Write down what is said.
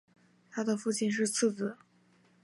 他是父亲的次子。